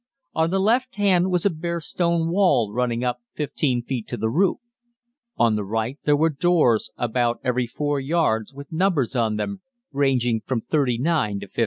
On the left hand was a bare stone wall running up 15 feet to the roof; on the right there were doors about every 4 yards with numbers on them ranging from 39 to 56.